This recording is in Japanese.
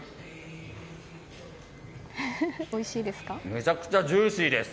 めちゃくちゃジューシーです。